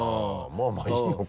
まぁまぁいいのか。